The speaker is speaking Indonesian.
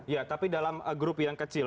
ya tapi dalam grup yang kecil